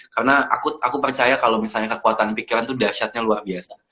karena aku percaya kalau misalnya kekuatan pikiran tuh dahsyatnya luak biasa